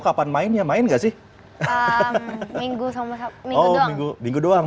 kapan mainnya main nggak sih minggu sama sama